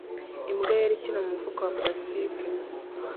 Imbwa yera ikina numufuka wa plastiki